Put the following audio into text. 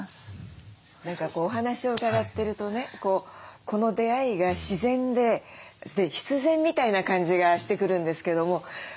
何かお話を伺ってるとねこの出会いが自然で必然みたいな感じがしてくるんですけども三浦さん